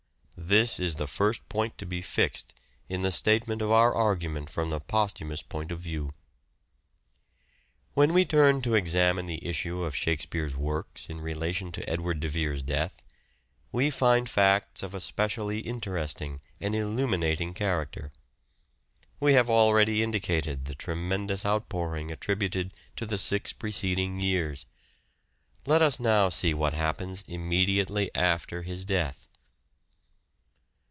This is the first point to be fixed in the statement of our argument from the posthumous point of view. When we turn to examine the issue of Shakespeare's "Fell works in relation to Edward de Vere's death, we find facts of a specially interesting and illuminating Arrest character. We have already indicated the tremendous outpouring attributed to the six preceding years. Let us now see what happens immediately after his death.